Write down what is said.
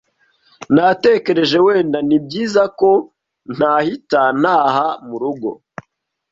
Natekereje wenda nibyiza ko ntahita ntaha murugo.